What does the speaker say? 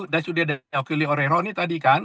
dan sudah diakui oleh rony tadi kan